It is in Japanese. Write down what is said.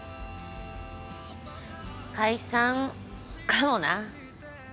解散かもな。